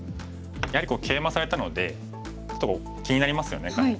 やはりケイマされたのでちょっとここ気になりますよね下辺。